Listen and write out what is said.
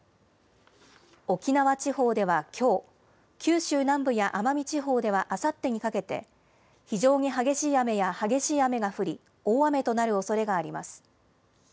沖縄地方ではきょう、九州南部や奄美地方ではあさってにかけて、非常に激しい雨や激しい雨が降り、大雨となるおそれがあります。